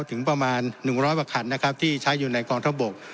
ถึงประมาณ๑๐๐บาทคันที่ใช้อยู่ในกองทบก